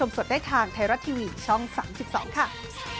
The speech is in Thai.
มันเชิงไทยรัก